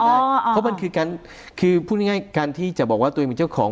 เพราะมันคือการคือพูดง่ายการที่จะบอกว่าตัวเองเป็นเจ้าของ